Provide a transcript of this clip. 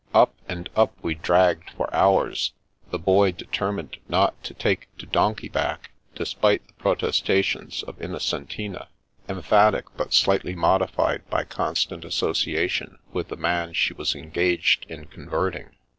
Up and up we dragged for hours, the Boy determined not to take to donkey back, despite the protestations of Innocentina, emphatic, but slightly modified by constant association with the man she was engaged in converting.